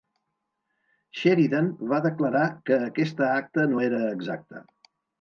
Sheridan va declarar que aquesta acta no era exacta.